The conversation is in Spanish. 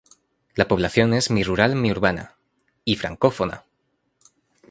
La población es mi rural mi urbana, y francófona.